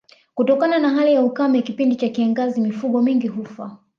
Kutokana na hali ya ukame kipindi cha kiangazi mifugo mingi hufa